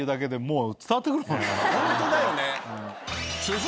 ホントだよね。